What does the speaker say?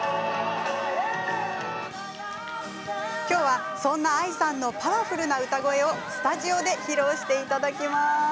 きょうは、そんなＡＩさんのパワフルな歌声をスタジオで披露していただきます。